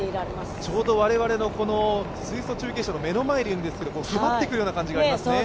ちょうど我々の水素中継車の横にいるんですが迫ってくるような感じがありますね。